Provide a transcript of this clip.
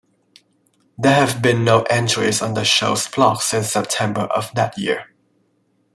There have been no entries on the show's blog since September of that year.